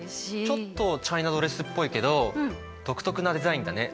ちょっとチャイナドレスっぽいけど独特なデザインだね。